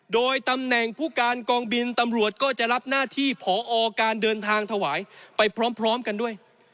โดยตำแหน่งผู้การกองบินตำรวจก็จะรับหน้าที่ผอการเดินทางถวายไปพร้อมกันด้วย